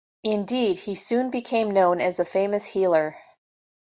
Indeed, he soon became known as a famous healer.